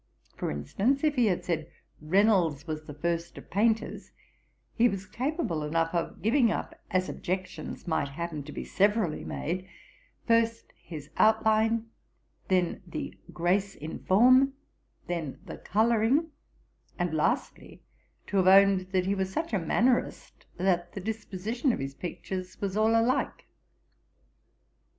For instance, if he had said Reynolds was the first of painters, he was capable enough of giving up, as objections might happen to be severally made, first his outline, then the grace in form, then the colouring, and lastly, to have owned that he was such a mannerist, that the disposition of his pictures was all alike.'